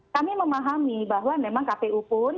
kami memahami bahwa memang kpu pun